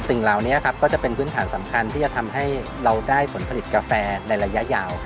สิ่งเหล่านี้ก็จะเป็นพื้นฐานสำคัญที่จะทำให้เราได้ผลผลิตกาแฟในระยะยาว